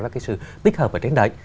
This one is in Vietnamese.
và cái sự tích hợp ở trên đấy